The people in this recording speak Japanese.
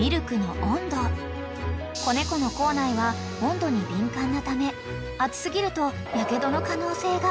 ［子猫の口内は温度に敏感なため熱過ぎるとやけどの可能性が］